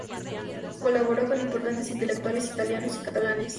Colaboró con importantes intelectuales italianos y catalanes.